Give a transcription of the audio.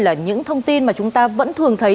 là những thông tin mà chúng ta vẫn thường thấy